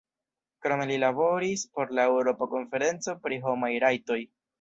Krome li laboris por la Eŭropa Konferenco pri homaj rajtoj.